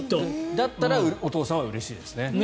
だったらお父さんはうれしいですね。